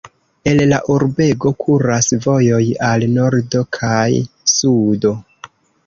El la urbego kuras vojoj al nordo kaj sudo.